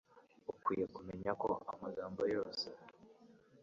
Ukwiye kumenya ko amagambo yose